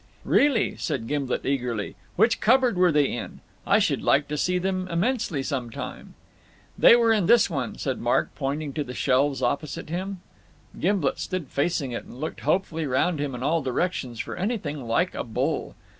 "Really," said Gimblet eagerly, "which cupboard were they in? I should like to see them immensely some time." "They were in this one," said Mark, pointing to the shelves opposite him. Gimblet stood facing it, and looked hopefully round him in all directions for anything like a bull.